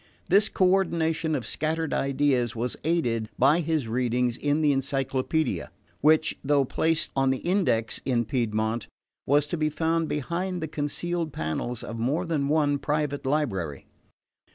This coordination of scattered ideas was aided by his readings in the Encyclopaedia, which, though placed on the Index in Piedmont, was to be found behind the concealed panels of more than one private library.